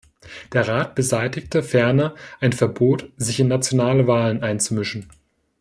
Der Rat beseitigte ferner ein Verbot, sich in nationale Wahlen einzumischen.